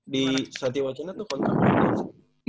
di satya oetana tuh kontak berapa